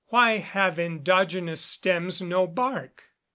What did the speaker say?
_Why have endogenous stems no bark?